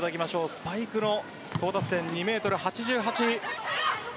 スパイクの到達点、２ｍ８８。